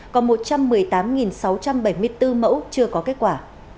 còn một trăm một mươi tám sáu trăm bảy mươi bốn mẫu chưa có kết quả